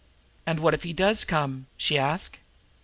"And what if he does come?" she asked.